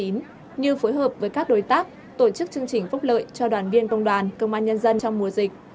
như phối hợp với các đối tác tổ chức chương trình phúc lợi cho đoàn viên công đoàn công an nhân dân trong mùa dịch